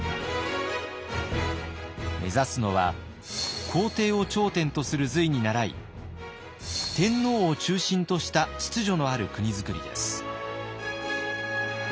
目指すのは皇帝を頂点とする隋に倣い天皇を中心とした秩序のある国づくりです。